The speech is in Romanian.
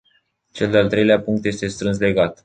Cel de-al treilea punct este strâns legat.